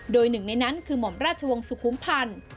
โดยหนึ่งในนั้นคือหม่อมราชวงศ์สุขุมพันธ์